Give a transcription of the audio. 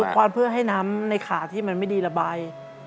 ควันเพื่อให้น้ำในขาที่มันไม่ดีระบาย